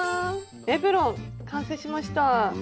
エプロン完成しました。